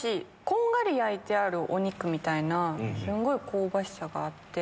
こんがり焼いてあるお肉みたいなすんごい香ばしさがあって。